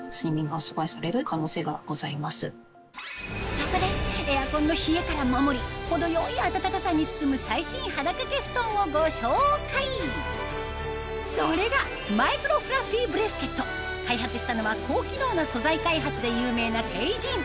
そこでエアコンの冷えから守り程よい温かさに包むそれが開発したのは高機能な素材開発で有名なＴＥＩＪＩＮ